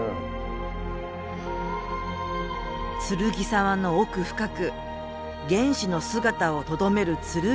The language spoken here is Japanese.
剱沢の奥深く原始の姿をとどめる剱大滝。